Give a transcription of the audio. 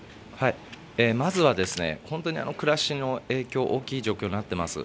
まずは本当に暮らしの影響、大きい状況になってます。